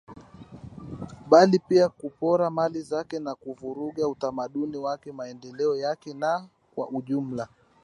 bali pia kupora mali zake na kuvuruga Utamaduni wake Maendeleo yake na kwa ujumla